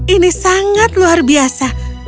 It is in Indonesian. ini sangat luar biasa